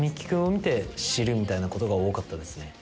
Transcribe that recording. みたいなことが多かったですね。